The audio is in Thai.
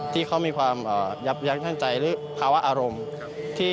ที่เขามีความยับยั้งชั่งใจหรือภาวะอารมณ์